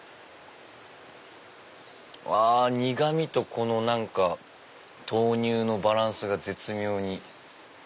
あ苦味とこの何か豆乳のバランスが絶妙に。